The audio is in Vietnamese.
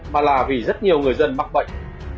mà là vì rất nhiều người dân mắc bệnh